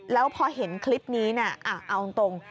แล้วพอเห็นคลิปนี้เอาตรง